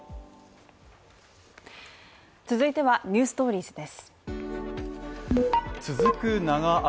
続いてはニューストーリーズです